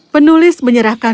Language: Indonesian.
penulis menyerahkan koin